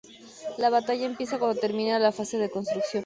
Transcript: La batalla empieza cuando termina la fase de construcción.